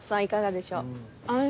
いかがでしょう。